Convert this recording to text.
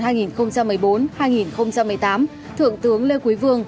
giai đoạn hai nghìn một mươi bốn hai nghìn một mươi tám thượng tướng lê quý vương